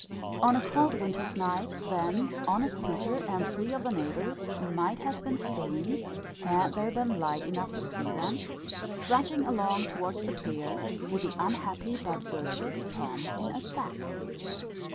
On a cold winter's night, then, honest Peter and three of the neighbours might have been seen had there been light enough to see them trudging along towards the pier, with the unhappy but virtuous Tom in a sack.